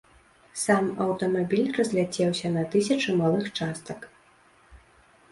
Сам аўтамабіль разляцеўся на тысячы малых частак.